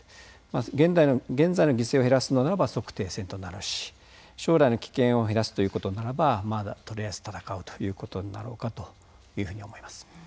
まず現在の犠牲を減らすのならば即停戦となるし将来の危険を減らすということならばまだとりあえず戦うということになろうかというふうに思います。